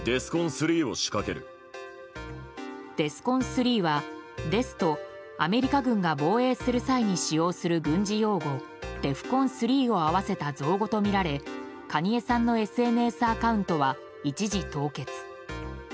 デスコン３はデスとアメリカ軍が防衛する際に使用する軍事用語デフコン３を合わせた造語とみられカニエさんのＳＮＳアカウントは一時凍結。